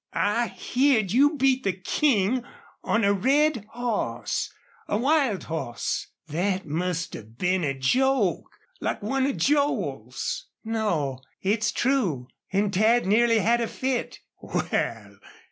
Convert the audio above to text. "I heerd you beat the King on a red hoss a wild hoss! ... Thet must have been a joke like one of Joel's." "No. It's true. An' Dad nearly had a fit!" "Wal!"